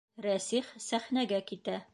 Рәсих сәхнәгә китә.